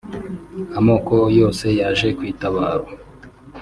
amoko yose yaje kwitabaro